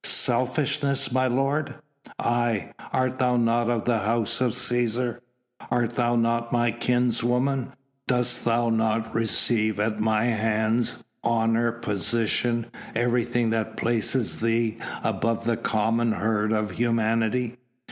"Selfishness, my lord?" "Aye! Art thou not of the House of Cæsar? Art thou not my kinswoman? Dost thou not receive at my hands honour, position, everything that places thee above the common herd of humanity?